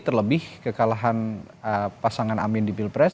terlebih kekalahan pasangan amin di pilpres